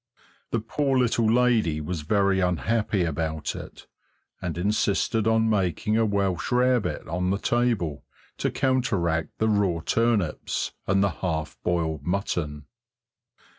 The poor little lady was very unhappy about it, and insisted on making a Welsh rarebit on the table to counteract the raw turnips and the half boiled mutton.